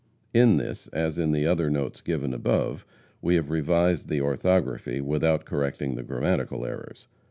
In this, as in the other notes given above, we have revised the orthography, without correcting the grammatical errors.